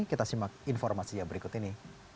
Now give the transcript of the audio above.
kita simak informasi yang berikut ini